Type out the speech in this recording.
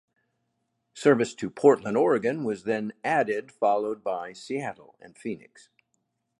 Service to Portland, Oregon was then added followed by Seattle and Phoenix.